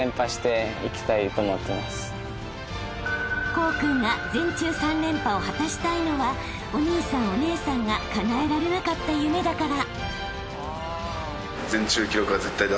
［功君が全中３連覇を果たしたいのはお兄さんお姉さんがかなえられなかった夢だから］